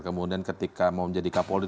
kemudian ketika mau menjadi kapolri